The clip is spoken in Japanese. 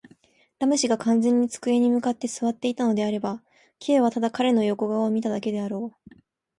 ラム氏が完全に机に向って坐っていたのであれば、Ｋ はただ彼の横顔を見ただけであろう。